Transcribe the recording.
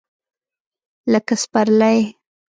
لکه سپرلی !